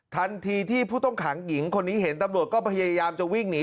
ทันทีที่ผู้ต้องขังหญิงคนนี้เห็นตำรวจก็พยายามจะวิ่งหนี